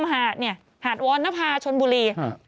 หาดวอนนภาชนบุรี